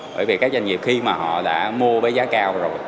bởi vì các doanh nghiệp khi mà họ đã mua với giá cao rồi